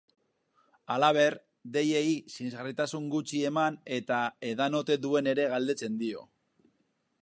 Halaber, deiei sinesgarritasun gutxi eman eta edan ote duen ere galdetzen dio.